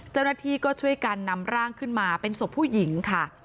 เจ้าหน้าที่ก็ช่วยกันนำร่างขึ้นมาเป็นศพผู้หญิงค่ะ